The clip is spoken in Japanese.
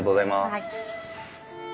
はい。